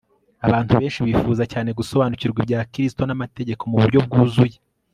abantu benshi bifuza cyane gusobanukirwa ibya Kristo namategeko mu buryo bwuzuye